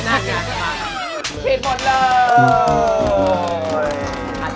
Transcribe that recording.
อ่ะคำถามที่๓นี้โอ้โหยากมาก